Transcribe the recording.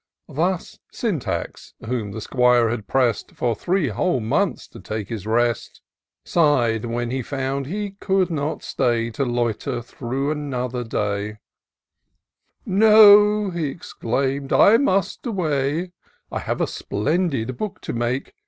Thus Syntax, whom the 'Squire had press'd For three whole months to take his rest, Sigh'd when he found he could not stay To loiter through another day :" No," he exclaim'd, " I must away :— I have a splendid book to make.